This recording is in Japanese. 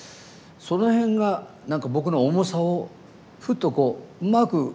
その辺が何か僕の重さをふっとこううまく